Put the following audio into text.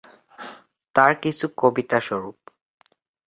তার কিছু কবিতা স্বরূপ।